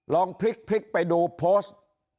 ลองพลิกไปดูโพสต์